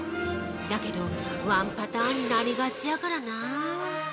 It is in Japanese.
だけど、ワンパターンになりがちやからなぁ。